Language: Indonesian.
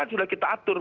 bahkan sudah kita atur